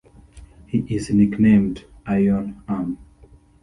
He is nicknamed "Iron Arm".